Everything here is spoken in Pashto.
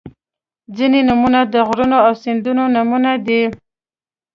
• ځینې نومونه د غرونو او سیندونو نومونه دي.